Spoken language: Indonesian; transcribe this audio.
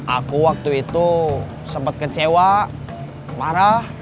aku waktu itu sempat kecewa marah